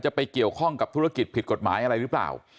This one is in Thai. จะไปเกี่ยวข้องกับธุรกิจผิดกฎหมายไหม